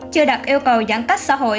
chưa đặt yêu cầu giãn cách xã hội